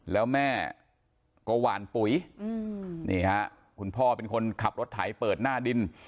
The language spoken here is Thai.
แล้วแม่ก็หวานปุ๋ยนี่ฮะคุณพ่อเป็นคนขับรถไถเปิดหน้าดิน